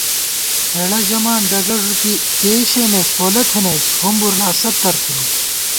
ہېڑہ ژَمان ڈگہ ݫُپی پېئی شېمېس پولہ تھنَئیس ہُمبر لا ستّر تھنی